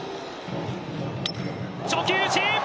初球打ち。